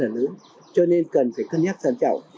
rất là lớn cho nên cần phải cân nhắc sáng chậu